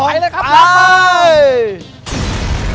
ไปเลยครับล้างบางกัน